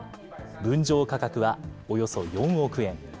分譲価格はおよそ４億円。